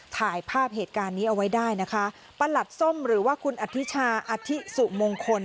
ถ่ายภาพเหตุการณ์นี้เอาไว้ได้นะคะประหลัดส้มหรือว่าคุณอธิชาอธิสุมงคล